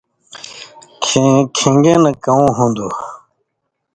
کھیں کِھن٘گی نہ کؤ ہُون٘دوۡ